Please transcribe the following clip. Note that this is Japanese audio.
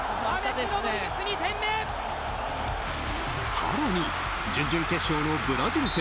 更に準々決勝のブラジル戦。